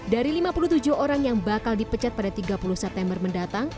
dari lima puluh tujuh orang yang bakal dipecat pada tiga puluh september mendatang